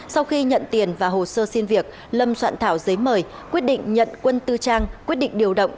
sau khi nhận tiền và hồ sơ xin việc lâm soạn thảo giấy mời quyết định nhận quân tư trang quyết định điều động